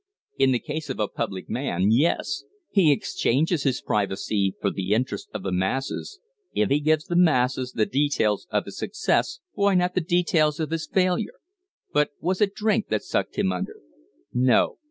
"In the case of a public man yes. He exchanges his privacy for the interest of the masses. If he gives the masses the details of his success, why not the details of his failure? But was it drink that sucked him under?" "No."